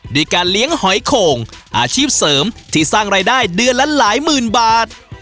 ด้วยการเลี้ยงหอยโข่งอาชีพเสริมที่สร้างรายได้เดือนละหลายหมื่นบาท